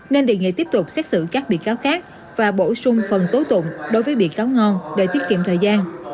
nên đề nghị tiếp tục xét xử các bị cáo khác và bổ sung phần tối tụng đối với bị cáo ngon để tiết kiệm thời gian